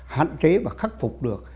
hạn chế và khắc phục được